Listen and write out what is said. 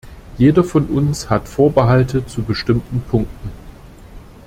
Jeder von uns hat Vorbehalte zu bestimmen Punkten.